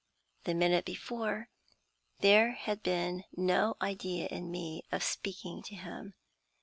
The minute before, there had been no idea in me of speaking to him.